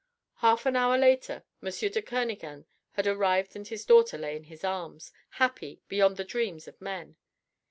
Half an hour later M. de Kernogan had arrived and his daughter lay in his arms, happy, beyond the dreams of men.